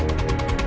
ya udah aku nelfon